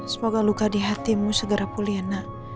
semoga luka di hatimu segera pulih nak